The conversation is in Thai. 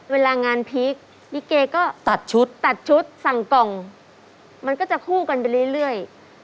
เวลางานพีคลิเกก็ตัดชุดตัดชุดสั่งกล่องมันก็จะคู่กันไปเรื่อย